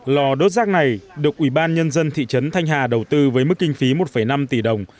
lò đốt rác này được ủy ban nhân dân thị trấn thanh hà đầu tư với mức kinh phí một năm tỷ đồng